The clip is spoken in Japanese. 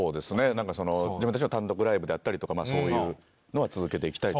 なんかその自分たちの単独ライブであったりとかまあそういうのは続けていきたいっていうのが。